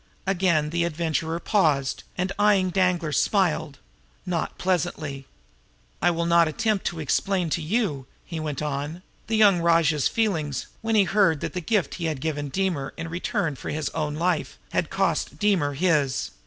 Again the Adventurer paused, and, eying Danglar, smiled not pleasantly. "I will not attempt to explain to you," he went on, "the young rajah's feelings when he heard that the gift he had given Deemer in return for his own life had cost Deemer his.